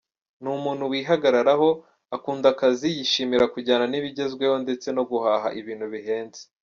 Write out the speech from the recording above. Ni umuntu wihagararaho, akunda akazi, yishimira kujyana n’ibigezweho ndetse no guhaha ibintu bihenze.